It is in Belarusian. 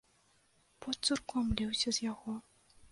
Пот цурком ліўся з яго.